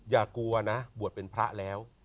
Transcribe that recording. อย่ากลัวนะบวชเป็นพระแล้ว